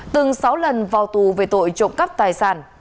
từng sáu lần vào tù về tội trộm cắp tài sản